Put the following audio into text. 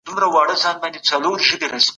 د سياسي اصطلاحاتو په ريښتني مانا ځان پوه کړی.